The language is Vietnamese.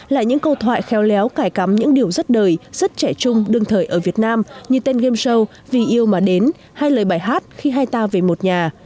là những câu thoại khéo léo cải cắm những điều rất đời rất trẻ trung đương thời ở việt nam như tên game show vì yêu mà đến hay lời bài hát khi hai ta về một nhà